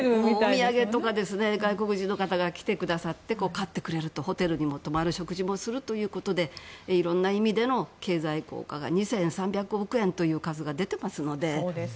お土産とか外国人の方が来てくださって買ってくれる、ホテルにも泊まる食事もするということでいろんな意味での経済効果が２３００億円という数が出ていますので。